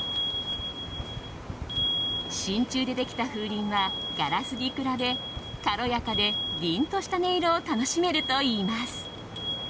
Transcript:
真鍮でできた風鈴はガラスに比べ軽やかで、凛とした音色を楽しめるといいます。